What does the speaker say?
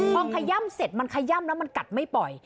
พอขย่ำเสร็จมันขย่ำแล้วมันกัดไม่ปล่อย